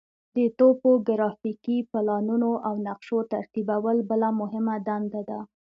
د توپوګرافیکي پلانونو او نقشو ترتیبول بله مهمه دنده ده